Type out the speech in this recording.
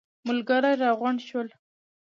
ملګري راغونډ شول.